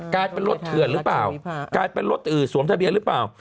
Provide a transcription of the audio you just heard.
ภาควัฏชนวิพาะกลายเป็นรถอื่นสวมทะเบียนหรือเปล่า